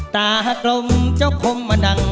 ตากลมเจ้าหมะดัง